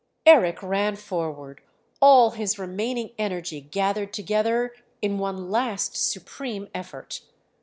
Eric ran forward, all his remaining energy gathered together in one last supreme effort.